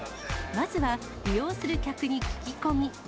まずは、利用する客に聞き込み。